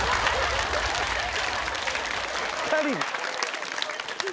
２人に。